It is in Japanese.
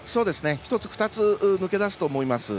１つ２つ抜け出すと思います。